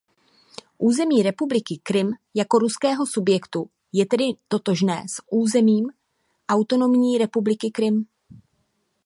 Území Republiky Krym jako ruského subjektu je tedy totožné s územím Autonomní republiky Krym.